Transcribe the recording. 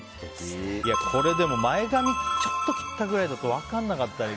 これ、前髪ちょっと切ったぐらいだと分からなかったり。